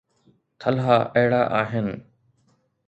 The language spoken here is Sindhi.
ٿلها اهڙا آهن